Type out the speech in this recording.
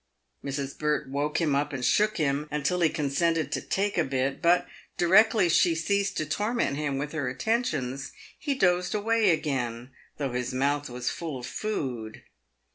Mrs. Burt woke him up, and shook him until he consented to " take a bit," but, directly she ceased to torment him with her attentions, he dozed away again, though his mouth was full of food.